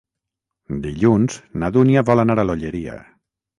Dilluns na Dúnia vol anar a l'Olleria.